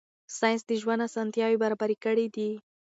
ساینس د ژوند اسانتیاوې برابرې کړې دي.